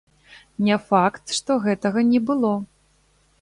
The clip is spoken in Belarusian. Не факт, што гэтага не было.